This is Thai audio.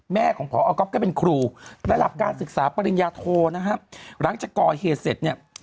แม่ของพอก๊อฟก็เป็นครูระดับการศึกษาปริญญาโทนะฮะหลังจากก่อเหตุเสร็จเนี่ย